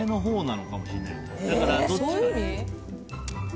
だからどっちかだよ。